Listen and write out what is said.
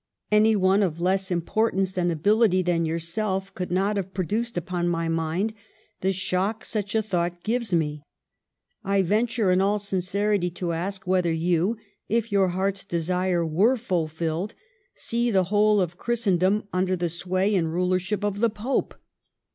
Any one of less importance and ability than yourself could not have produced upon my mind the shock such a thought gives me. 1 venture in all sincerity to ask would you, if your hearts desire were fulfilled, see the whole of Christendom under the sway and ruler ship of the Pope